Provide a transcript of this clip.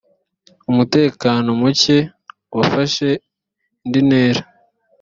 umutekano muke wafashe indintera.